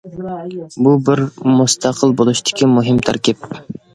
بۇ بىر مۇستەقىل بولۇشتىكى مۇھىم تەركىب.